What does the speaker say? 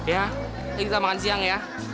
ya ini kita makan siang ya